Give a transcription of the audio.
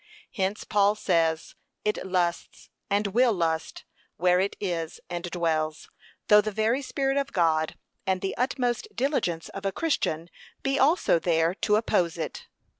Hence Paul says, it lusts, and will lust, where it is and dwells; though the very Spirit of God and the utmost diligence of a Christian be also there to oppose it.